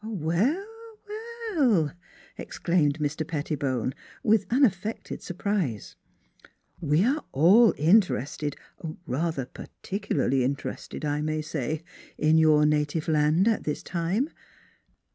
" Well, well !" exclaimed Mr. Pettibone, with unaffected surprise. " We are all interested rather particularly interested, I may say in your native land at this time.